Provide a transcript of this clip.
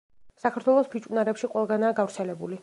საქართველოს ფიჭვნარებში ყველგანაა გავრცელებული.